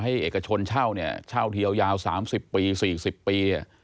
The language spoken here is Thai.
ให้เอกชนเช่าเทียวยาว๓๐ปี๔๐ปี